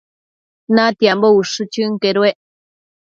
Natiambo ushë chënquedued